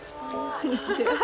こんにちは。